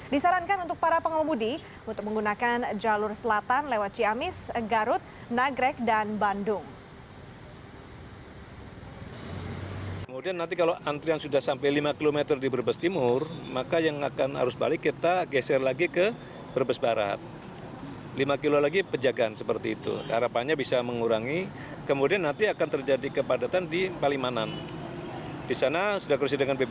disarankan untuk para pengomudi untuk menggunakan jalur selatan lewat ciamis garut nagrek dan bandung